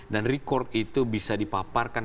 dan rekod itu bisa dipaparkan